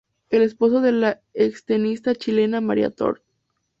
Es el esposo de la extenista chilena María Tort.